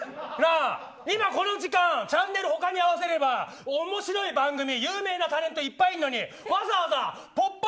今、この時間チャンネル他に合わせれば面白い番組、有名なタレントいっぱいいるのにわざわざ「ポップＵＰ！」